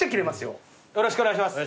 よろしくお願いします。